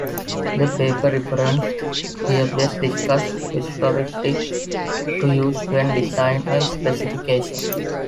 The paper referenced here best discusses heuristics to use when designing a specification.